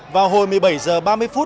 vào hồi một mươi bảy h ba mươi